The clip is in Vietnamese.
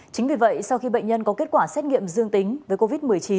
chính vì vậy sau khi bệnh nhân có kết quả xét nghiệm dương tính với covid một mươi chín